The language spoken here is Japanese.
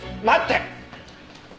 待って！